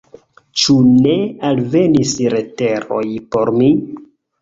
Ĉu ne alvenis leteroj por mi?